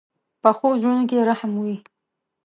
پخو زړونو کې رحم وي